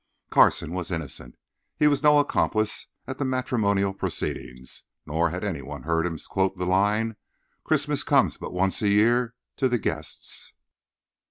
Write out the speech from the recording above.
Carson was innocent; he was no accomplice at the matrimonial proceedings; nor had any one heard him quote the line "Christmas comes but once a year" to the guests.